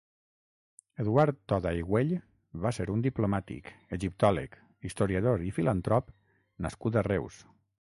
Eduard Toda i Güell va ser un diplomàtic, egiptòleg, historiador i filantrop nascut a Reus.